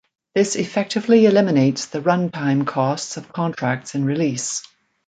This effectively eliminates the run-time costs of contracts in release.